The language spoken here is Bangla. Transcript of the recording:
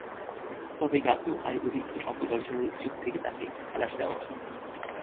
তবে জ্ঞাত আয়বহির্ভূত সম্পদ অর্জনের অভিযোগ থেকে তাঁকে খালাস দেওয়া হয়।